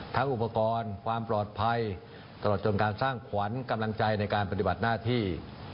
อุปกรณ์ความปลอดภัยตลอดจนการสร้างขวัญกำลังใจในการปฏิบัติหน้าที่